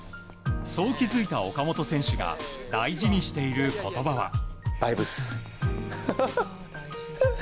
そう気づいた岡本選手が大事にしている言葉は。